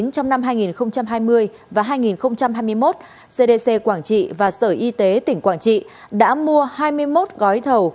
trong năm hai nghìn hai mươi và hai nghìn hai mươi một cdc quảng trị và sở y tế tỉnh quảng trị đã mua hai mươi một gói thầu